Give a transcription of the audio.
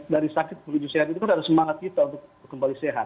dari sakit menuju sehat itu kan ada semangat kita untuk kembali sehat